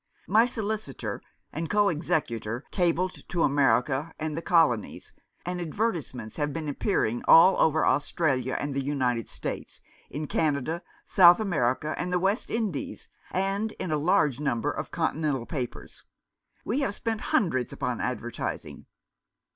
" My solicitor and co executor cabled to America and the Colonies, and advertisements have been appearing all over Australia and the United States, in Canada, South America, and the West Indies, and in a large number of Con tinental papers. We have spent hundreds upon advertising."